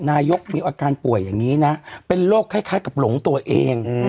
นายกมีอาการป่วยอย่างนี้นะเป็นโรคคล้ายกับหลงตัวเอง